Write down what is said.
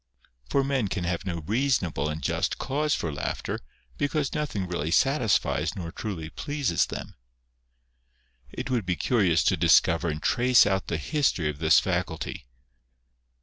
For men can have no , reasonable and just cause for laughter, because nothing really satisfies nor truly pleases them. It would be curious to discover and trace out the history of this faculty.